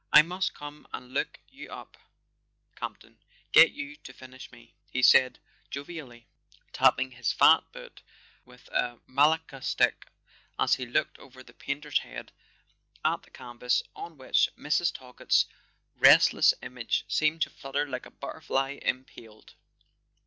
"I must come and look you up, Campton—get you to finish me," he said jovially, tapping his fat boot with a malacca stick as he looked over the painter's head at the canvas on which Mrs. Talkett's restless image seemed to flutter like a butterfly impaled.